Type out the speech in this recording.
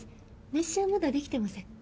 名刺はまだできてません